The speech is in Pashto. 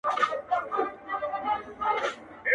یار ته به پشان د خضر بادار اوږد عُمر نصیب کړي،